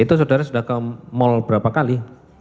itu saudara sudah ke mall berapa kali